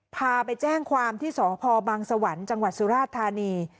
พาไปแจ้งความที่สพบังสวรรค์จังหวัดสุราชธานี